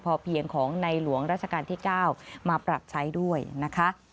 พอเพียงของในหลวงราชการที่๙มาปรับใช้ด้วยนะคะ